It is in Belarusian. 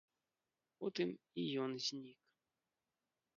Потым і ён знік.